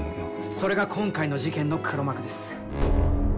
それが今回の事件の黒幕です。